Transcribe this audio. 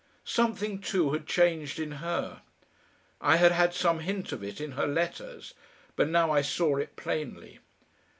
Something, too, had changed in her. I had had some hint of it in her letters, but now I saw it plainly.